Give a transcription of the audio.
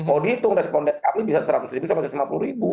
oh dihitung responden kami bisa seratus sampai lima puluh